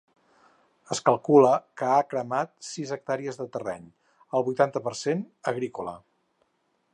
Es calcula que ha cremat sis hectàrees de terreny, el vuitanta per cent, agrícola.